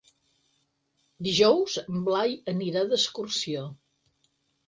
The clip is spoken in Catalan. Dijous en Blai anirà d'excursió.